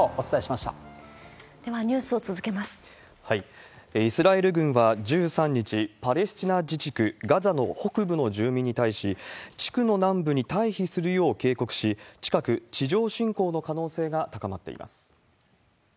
では、イスラエル軍は１３日、パレスチナ自治区ガザの北部の住民に対し、地区の南部に退避するよう警告し、近く、地上侵攻の可能性が高まっています。